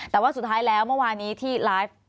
แต่ว่าสุดท้ายแล้วเมื่อวานี้ที่ไลฟ์